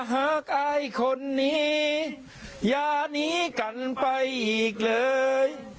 อายคนนี้อย่าหนีกันไปอีกเลย